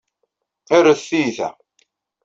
Rret tiyita.